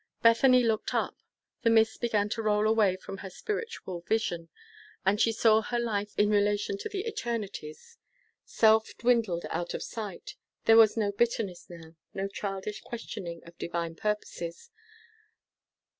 Bethany looked up. The mists began to roll away from her spiritual vision, and she saw her life in relation to the eternities. Self dwindled out of sight. There was no bitterness now, no childish questioning of Divine purposes.